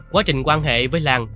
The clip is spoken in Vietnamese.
quá trình quan hệ với lan